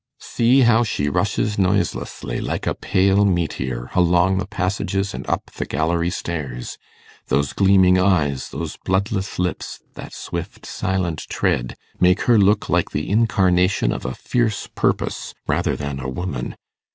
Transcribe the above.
See how she rushes noiselessly, like a pale meteor, along the passages and up the gallery stairs! Those gleaming eyes, those bloodless lips, that swift silent tread, make her look like the incarnation of a fierce purpose, rather than a woman.